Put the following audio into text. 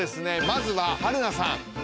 まずははるなさん。